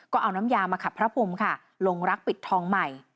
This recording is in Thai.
ก็เอาน้ำยามาขับพระพรมค่ะลงรักปิดทองใหม่